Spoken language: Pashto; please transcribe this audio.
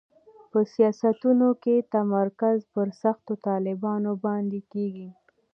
په سیاستونو کې تمرکز پر سختو طالبانو باندې کېږي.